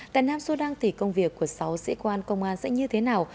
tại nam sô đăng thì công việc của sáu sĩ quan công an sẽ như thế nào